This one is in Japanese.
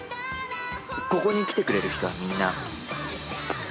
ここに来てくれる人はみんな。